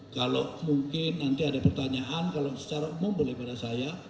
kalau mungkin nanti ada pertanyaan kalau secara umum boleh pada saya